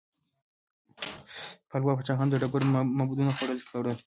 پالوا پاچاهانو د ډبرو معبدونه جوړ کړل.